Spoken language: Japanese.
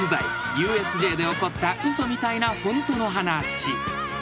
ＵＳＪで起こった嘘みたいなホントの話］